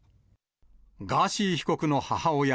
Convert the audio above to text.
ガーシー被告の母親